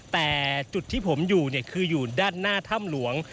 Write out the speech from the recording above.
แต่จุดที่ผมอยู่คืออยู่ด้านหน้าถ้ำหลวง